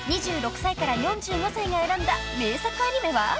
［２６歳から４５歳が選んだ名作アニメは］